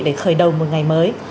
để khởi đầu một ngày mới